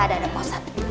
ada ada pak ustadz